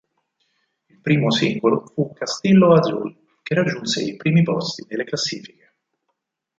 Il primo singolo fu "Castillo azul", che raggiunse i primi posti delle classifiche.